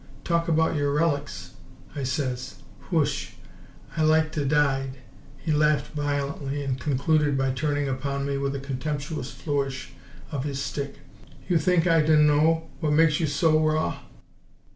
'Talk about yer relics,' I says. Whoosh! I'd like t' died!" He laughed violently, and concluded by turning upon me with a contemptuous flourish of his stick. "You think I d'know what makes YOU so raw?"